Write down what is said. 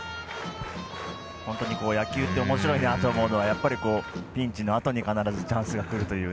本当に野球っておもしろいなと思うのはやっぱり、ピンチのあとに必ずチャンスがくるという。